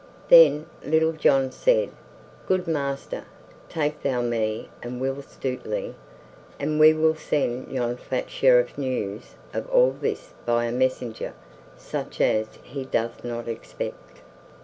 Then Little John said, "Good master, take thou me and Will Stutely, and we will send yon fat Sheriff news of all this by a messenger such as he doth not expect."